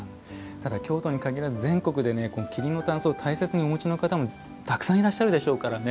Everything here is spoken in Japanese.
ただ、京都に限らず全国で桐のたんすを大切にお持ちの方もたくさんいらっしゃるでしょうからね。